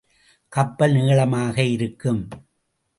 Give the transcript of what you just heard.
கப்பல் நீளமாக இருக்கும்.